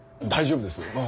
大丈夫です。